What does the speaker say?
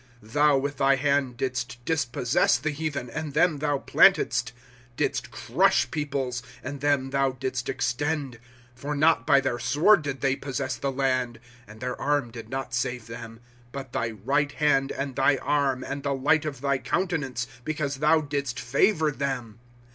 * Thou with thy hand didst dispossess the heathen, and them thou plantedst ; Didst crush peoples, and them thou didst extend. ^ For not by their sword did they possess the land, And their arm did not save them ; But thy right hand, and thy arm, and the light of thy coun tenance, Because thou didst favor them.